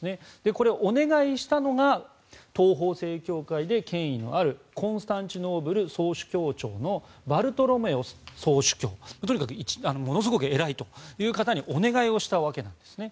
これ、お願いしたのが東方正教会で権威のあるコンスタンチノープル総主教庁のバルトロメオス総主教とにかくものすごく偉い方にお願いしたわけですね。